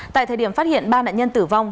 tại thời điểm phát hiện ba nạn nhân tử vong